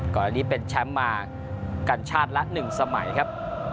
ก่อนอันนี้เป็นแชมป์มากันชาติละ๑สมัยครับ